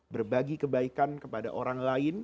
berbagi kebaikan kepada orang lain